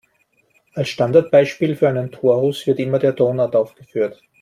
Als Standardbeispiel für einen Torus wird immer der Donut aufgeführt.